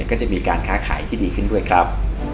ก็จะมีการค้าขายที่ดีขึ้นด้วยครับ